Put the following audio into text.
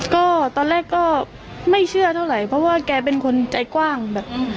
ก็ตอนแรกก็ไม่เชื่อเท่าไหร่เพราะว่าแกเป็นคนใจกว้างแบบ